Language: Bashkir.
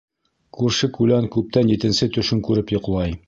Күрше-күлән күптән етенсе төшөн күреп йоҡлай.